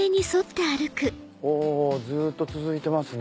おずっと続いてますね。